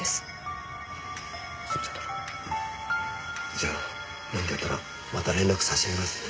じゃあ何かあったらまた連絡差し上げますんで。